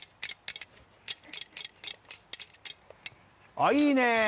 あいいね！